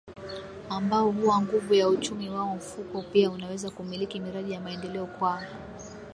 ambao huwa nguvu ya uchumi wao Mfuko pia unaweza kumiliki miradi ya maendeleo kwa